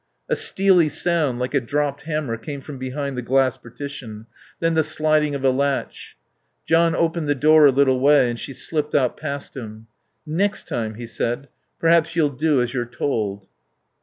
A steely sound like a dropped hammer came from behind the glass partition; then the sliding of a latch. John opened the door a little way and she slipped out past him. "Next time," he said, "perhaps you'll do as you're told."